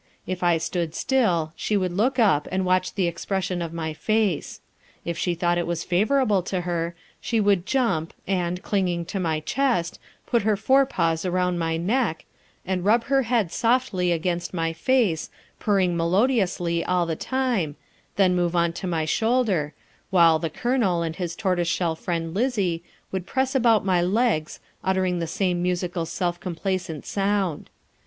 If I stood still, she would look up, and watch the expression of my face. If she thought it was favourable to her, she would jump, and, clinging to my chest, put her fore paws around my neck, and rub her head softly against my face, purring melodiously all the time, then move on to my shoulder, while "The Colonel" and his tortoiseshell friend Lizzie would press about my legs, uttering the same musical self complacent sound.